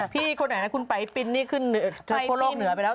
พี่คนไหนนะคุณไปปินขั้วโลกเหนือไปแล้ว